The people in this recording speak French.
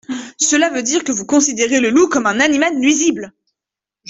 Cela veut dire que vous considérez le loup comme un animal nuisible.